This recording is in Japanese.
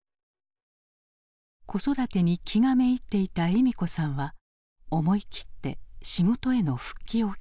子育てに気がめいっていた笑美子さんは思い切って仕事への復帰を決めた。